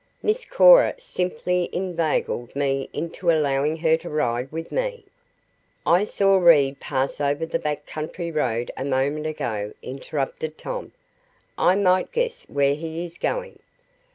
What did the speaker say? Miss Cora simply inveigled me into allowing her to ride with me " "I saw Reed pass over the back country road a moment ago," interrupted Tom. "I might guess where he is going."